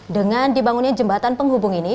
dengan dibangunnya jembatan penghubung ini